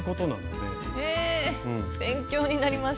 へえ勉強になります。